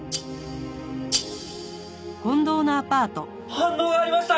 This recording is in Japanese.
反応がありました！